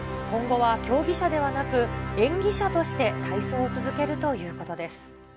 今後は競技者ではなく、演技者として体操を続けるということです。